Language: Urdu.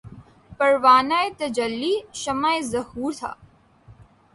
پروانۂ تجلی شمع ظہور تھا